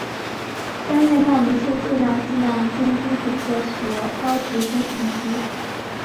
担任茂名市质量计量监督检测所高级工程师。